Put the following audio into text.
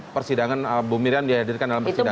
persidangan bu miriam dihadirkan dalam persidangan